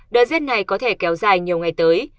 đợt rét này có thể kéo dài nhiều ngày tới